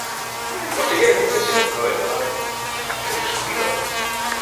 Posteriormente, se nombró en honor del descubridor.